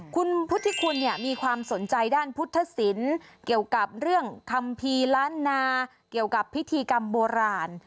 คุณพุทธิคุณเนี่ยมีความสนใจด้านพุทธศิลป์เกี่ยวกับเรื่องคัมภีร์ล้านนาเกี่ยวกับพิธีกรรมโบราณ